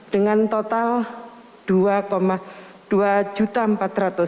dengan total dua dua empat ratus